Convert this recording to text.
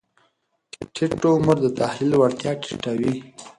ټیټ عمر د تحلیل وړتیا ټیټه وي.